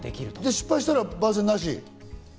失敗したら番宣なし？